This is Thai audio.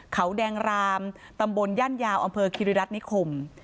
เขาแดงรามตำบลย่านยาวอำเภอคิริรัตนิคม